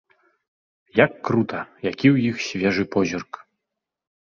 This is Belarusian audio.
Як крута, які ў іх свежы позірк!